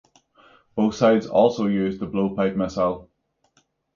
Both sides also used the Blowpipe missile.